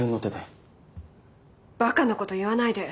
ばかなこと言わないで。